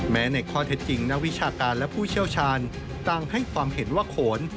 ในข้อเท็จจริงนักวิชาการและผู้เชี่ยวชาญต่างให้ความเห็นว่าโขน